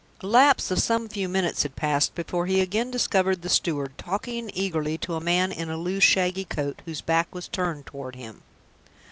A lapse of some few minutes had passed before he again discovered the steward talking eagerly to a man in a loose shaggy coat, whose back was turned toward him.